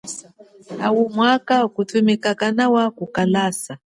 Au mwa kanthumika kanawa kukalasa.